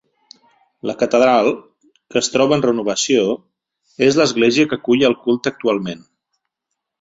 La catedral, que es troba en renovació, és l'església que acull el culte actualment.